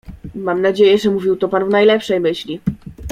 "Mam nadzieję, że mówił to pan w najlepszej myśli."